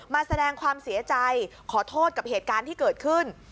มาแสดงความเสียใจขอโทษกับเหตุการณ์ที่เกิดขึ้น